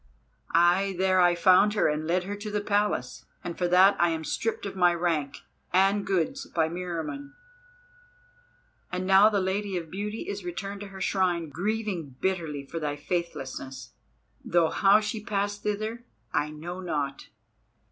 Ay, there I found her and led her to the Palace, and for that I am stripped of my rank and goods by Meriamun, and now the Lady of Beauty is returned to her shrine, grieving bitterly for thy faithlessness; though how she passed thither I know not."